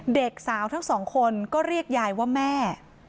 เด็กสาวทั้งสองคนก็เรียกยายว่าแม่